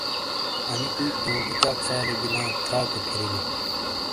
انہ کُوئی تو کچال سالی بیلاں تھراکے پھِریلیں۔